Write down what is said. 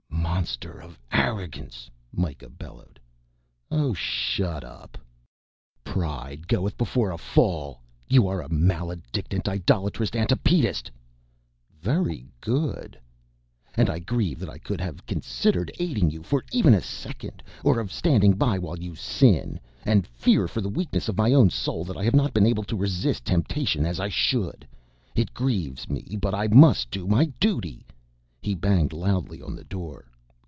"Monster of arrogance," Mikah bellowed. "Oh, shut up." "Pride goeth before a fall! You are a maledicent and idolatrous antipietist...." "Very good." "... And I grieve that I could have considered aiding you for even a second, or of standing by while you sin, and fear for the weakness of my own soul that I have not been able to resist temptation as I should. It grieves me, but I must do my duty." He banged loudly on the door.